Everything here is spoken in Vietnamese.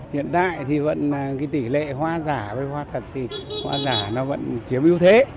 hiện tại thì vẫn cái tỷ lệ hoa giả với hoa thật thì hoa giả nó vẫn chiếm ưu thế